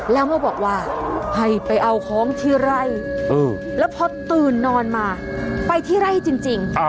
แล้วมาบอกว่าให้ไปเอาของที่ไร่แล้วพอตื่นนอนมาไปที่ไร่จริง